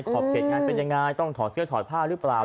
ขอบเขตงานเป็นยังไงต้องถอดเสื้อถอดผ้าหรือเปล่า